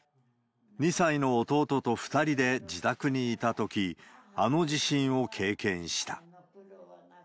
２歳の弟と２人で自宅にいたとき、あの地震を経験した。